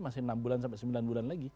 masih enam bulan sampai sembilan bulan lagi